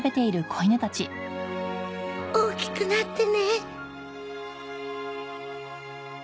大きくなってね。